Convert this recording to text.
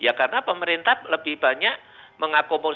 ya karena pemerintah lebih banyak mengakomodir